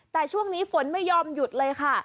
แต่ช่วงนี้ฝนไม่ยอมหยุดเลยค่ะ